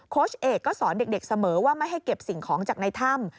เอกก็สอนเด็กเสมอว่าไม่ให้เก็บสิ่งของจากในถ้ำ